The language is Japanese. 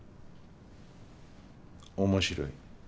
面白い。